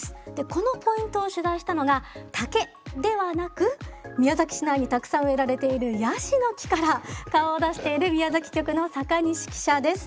このポイントを取材したのが竹ではなく宮崎市内にたくさん植えられているヤシの木から顔を出している宮崎局の坂西記者です。